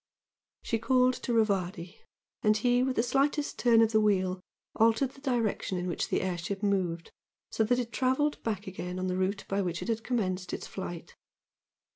She called to Rivardi, and he, with the slightest turn of the wheel, altered the direction in which the air ship moved, so that it travelled back again on the route by which it had commenced its flight.